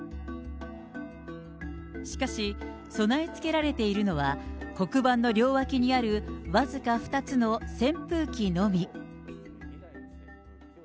しかし、備えつけられているのは、黒板の両脇にある僅か２つの扇風機のみ。